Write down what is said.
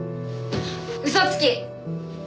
嘘つき！